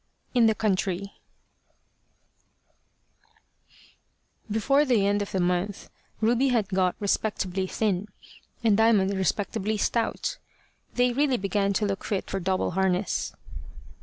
IN THE COUNTRY BEFORE the end of the month, Ruby had got respectably thin, and Diamond respectably stout. They really began to look fit for double harness.